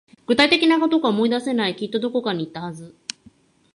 具体的なことが思い出せない。きっとどこかに行ったはず。